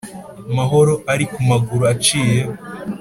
mahoro ari ku maguru aciye